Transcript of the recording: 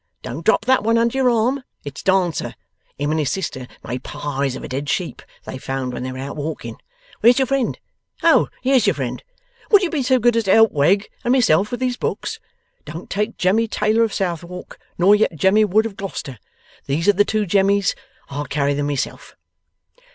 Don't drop that one under your arm. It's Dancer. Him and his sister made pies of a dead sheep they found when they were out a walking. Where's your friend? Oh, here's your friend. Would you be so good as help Wegg and myself with these books? But don't take Jemmy Taylor of Southwark, nor yet Jemmy Wood of Gloucester. These are the two Jemmys. I'll carry them myself.